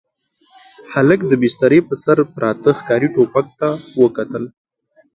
هلک د بسترې پر سر پراته ښکاري ټوپک ته وکتل.